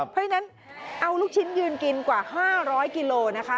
เพราะฉะนั้นเอาลูกชิ้นยืนกินกว่า๕๐๐กิโลนะคะ